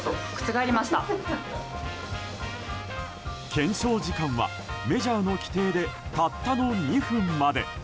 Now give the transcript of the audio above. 検証時間は、メジャーの規定でたったの２分まで。